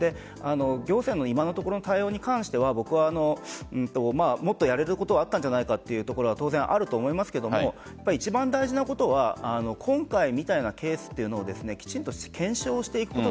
行政の今のところの対応に関してはもっとやれることあったんじゃないかというところは当然あると思いますが一番大事なことは今回みたいなケースというのをきちんと検証していくこと。